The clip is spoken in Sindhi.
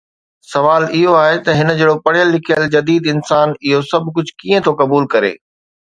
سوال اهو آهي ته هن جهڙو پڙهيل لکيل جديد انسان اهو سڀ ڪجهه ڪيئن ٿو قبول ڪري؟